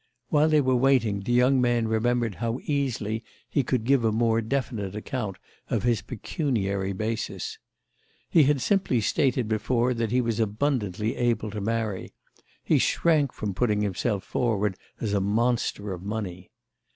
While they were waiting the young man remembered how easily he could give a more definite account of his pecuniary basis. He had simply stated before that he was abundantly able to marry; he shrank from putting himself forward as a monster of money.